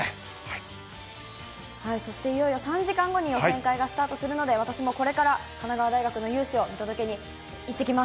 そしていよいよ３時間後に予選会がスタートするので、私もこれから神奈川大学の雄姿を見届けに行ってきます。